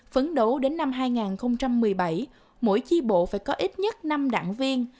phấn đấu đến năm hai nghìn một mươi bảy mỗi chi bộ phải có ít nhất năm đảng viên